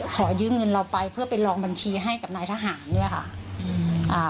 ขอยืมเงินเราไปเพื่อเป็นรองบัญชีให้กับนายทหารเนี้ยค่ะอืมอ่า